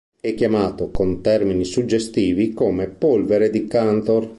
È chiamato con termini suggestivi come "polvere di Cantor".